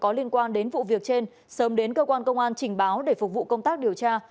có liên quan đến vụ việc trên sớm đến cơ quan công an trình báo để phục vụ công tác điều tra